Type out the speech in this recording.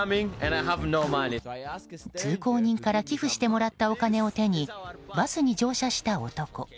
通行人から寄付してもらったお金を手にバスに乗車した男。